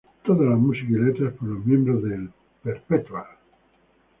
Toda la música y letras por los miembros de Perpetual.